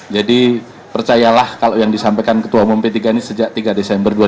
jadi percayalah kalau yang disampaikan ketua umum p tiga ini sejak tiga desember dua ribu tujuh belas benar